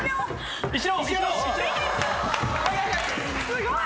すごい！